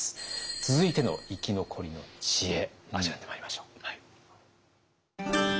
続いての生き残りの知恵味わってまいりましょう。